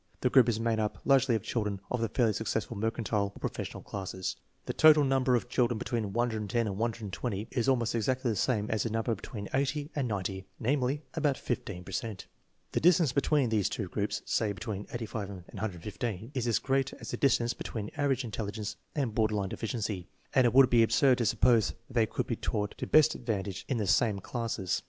The group is made up largely of children of the fairly successful mercantile or professional classes. The total number of children between 110 and 120 is almost exactly the same as the number between 80 and 90; namely, about 15 per cent. The distance between these two groups (say between 85 and 115) is as great as the distance between average intelligence and border line deficiency, and it would be absurd to suppose that they could be taught to best advantage in the same classes.